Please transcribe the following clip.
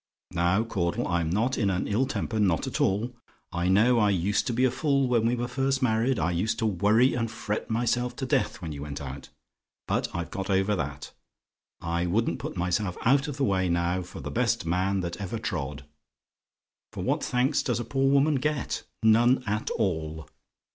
"Now, Caudle, I'm not in an ill temper; not at all. I know I used to be a fool when we were first married: I used to worry and fret myself to death when you went out; but I've got over that. I wouldn't put myself out of the way now for the best man that ever trod. For what thanks does a poor woman get? None at all.